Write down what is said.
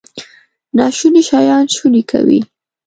ناشوني شیان شوني کوي.